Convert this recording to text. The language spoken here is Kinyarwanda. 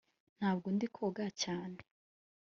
Ntabwo ndi koga cyane